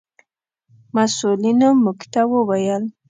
مسؤلینو موږ ته و ویل: